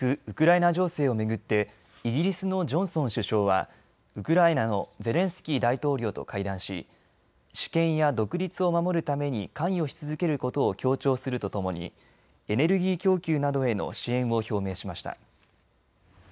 ウクライナ情勢を巡ってイギリスのジョンソン首相はウクライナのゼレンスキー大統領と会談し主権や独立を守るために関与し続けることを強調するとともにエネルギー供給などへの支援を表明しました。